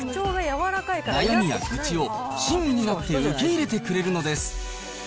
悩みや愚痴を親身になって受け入れてくれるのです。